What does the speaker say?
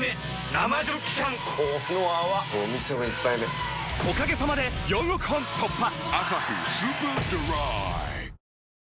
生ジョッキ缶この泡これお店の一杯目おかげさまで４億本突破！